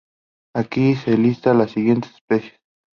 Aquí se listan las siguientes especies